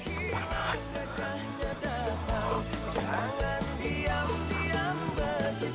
iya kang tunggu sebentar